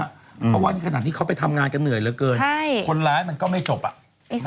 เพราะว่านี่ขณะที่เขาไปทำงานกันเหนื่อยเหลือเกินคนร้ายมันก็ไม่จบอะนั่นจะเอาอะ